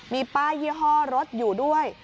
มีป้ายยี่ห้อรถอยู่ด้วย